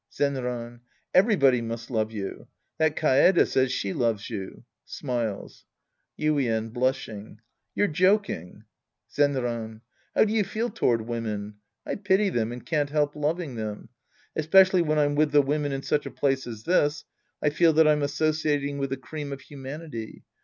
Zenran. Everybody must love you. That Kaede says she loves you. {Smiles.) Yuien {blushing). You're joking. Zenran. How do you feel toward \vomen ? I pity them and can't help loving them. Especially when I'm with the women in such a place as this, I feel that I'm associating with the cream of humanity.